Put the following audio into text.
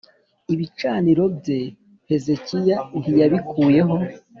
ibicaniro bye hezekiya ntiyabikuyeho